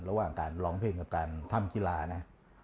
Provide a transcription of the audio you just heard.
ระหว่างการร้องเพลงกับการทำกีฬานะ